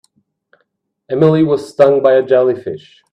Emily was stung by a jellyfish.